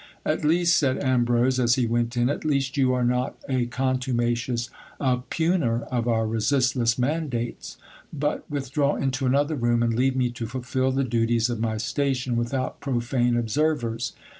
At least, said Ambrose as he went in, at least you are not a contumacious oppugner of our resistless mandates. But withdraw into another room, and leave me to fulfil the duties of my station without profane observers.